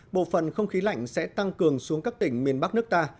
bộ phận không khí lạnh sẽ tăng cường xuống các tỉnh miền bắc nước ta